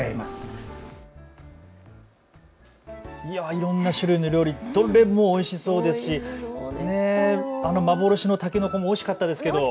いろんな種類の料理、どれもおいしそうですしあの幻のたけのこもおいしかったですけど。